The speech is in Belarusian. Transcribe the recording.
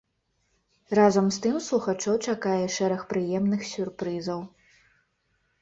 Разам з тым слухачоў чакае і шэраг прыемных сюрпрызаў.